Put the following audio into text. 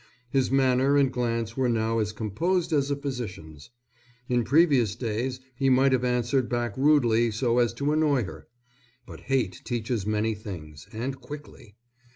His manner and glance were now as composed as a physician's. In previous days he might have answered back rudely so as to annoy her. But hate teaches many things, and quickly.